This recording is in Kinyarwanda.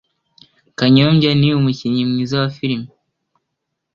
Kanyombya ni umukinnyi mwiza wa firme